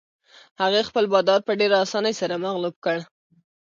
هغې خپل بادار په ډېرې اسانۍ سره مغلوب کړ.